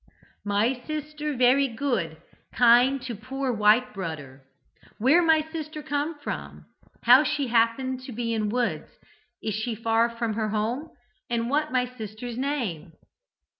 "'My sister very good; kind to poor white broder. Where my sister come from? How she happen to be in woods? Is she far from her home? And what my sister's name?'